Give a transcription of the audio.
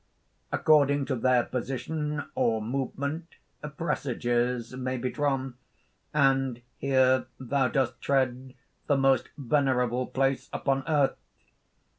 According to their position or movement presages may be drawn; and here thou dost tread the most venerable place upon earth.